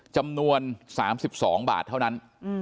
จำนวน๓๒บาทเท่านั้น